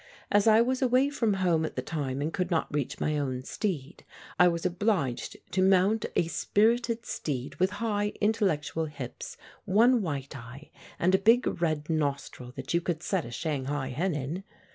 As I was away from home at the time and could not reach my own steed I was obliged to mount a spirited steed with high, intellectual hips, one white eye and a big red nostril that you could set a Shanghai hen in.